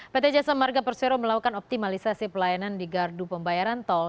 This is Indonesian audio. pt jasa marga persero melakukan optimalisasi pelayanan di gardu pembayaran tol